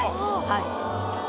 はい。